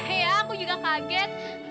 iya aku juga kaget